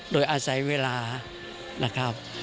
โดยอาศัยเวลานะครับ